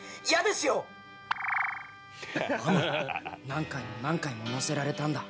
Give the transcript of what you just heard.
何回も何回も乗せられたんだ。